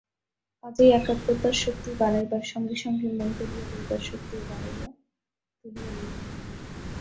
কাজেই একাগ্রতার শক্তি বাড়াইবার সঙ্গে সঙ্গে মন তুলিয়া লইবার শক্তিও বাড়াইয়া তুলিতে হইবে।